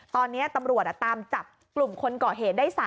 ตอนนี้ตำรวจตามจับกลุ่มคนก่อเหตุได้๓